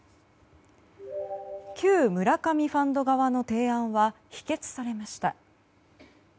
旧村上ファンド側の提案は否決されました。